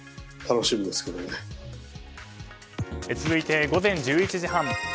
続いて午前１１時半。